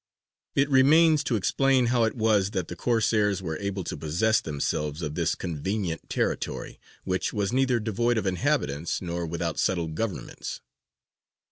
It remains to explain how it was that the Corsairs were able to possess themselves of this convenient territory, which was neither devoid of inhabitants nor without settled governments.